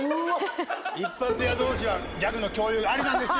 一発屋どうしはギャグの共有がありなんですよ！